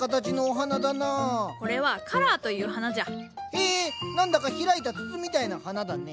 へえ何だか開いた筒みたいな花だね。